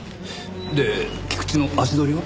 で菊池の足取りは？